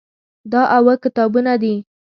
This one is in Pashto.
دا اووه کتابونه دي.